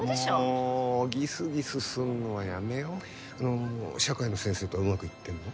もうギスギスすんのはやめようその社会の先生とはうまくいってんの？